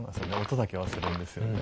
音だけはするんですよね。